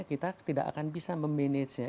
kita tidak akan bisa memanagenya